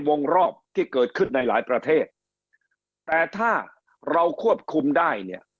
วงรอบที่เกิดขึ้นในหลายประเทศแต่ถ้าเราควบคุมได้เนี่ย